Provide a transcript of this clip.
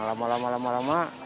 nah lama lama lama lama